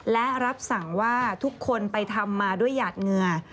และรับสั่งว่าทุกคนไปทำมาด้วยหยาดเหงื่อ